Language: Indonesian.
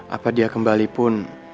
apa dia kembali pun